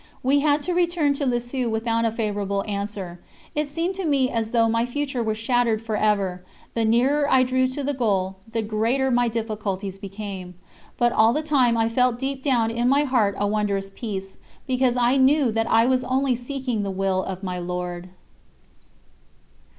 We had to return to Lisieux without a favourable answer. It seemed to me as though my future were shattered for ever; the nearer I drew to the goal, the greater my difficulties became. But all the time I felt deep down in my heart a wondrous peace, because I knew that I was only seeking the Will of my Lord.